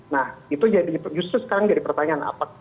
nah itu justru sekarang jadi pertanyaan